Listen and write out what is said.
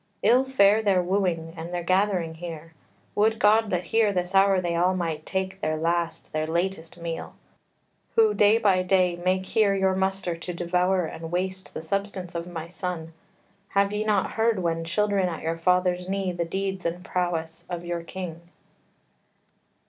Ill fare their wooing, and their gathering here! Would God that here this hour they all might take Their last, their latest meal! Who day by day Make here your muster, to devour and waste The substance of my son: have ye not heard When children at your fathers' knee the deeds And prowess of your king?"